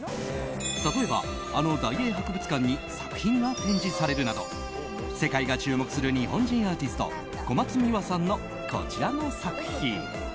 例えば、あの大英博物館に作品が展示されるなど世界が注目する日本人アーティスト小松美羽さんの、こちらの作品。